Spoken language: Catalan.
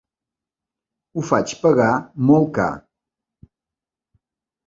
Ho faig pagar molt car.